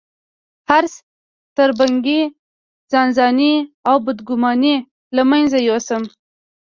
حرص، تربګني، ځانځاني او بدګوماني له منځه يوسم.